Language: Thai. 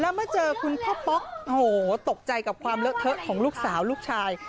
มาเจอคุณพ่อป๊อกโหตกใจกับความเลอะเทอะของลูกสาวลูกชาย